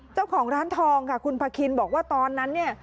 เจ้าของร้านทองค่ะคุณพาคินบอกว่าตอนนั้นเนี่ย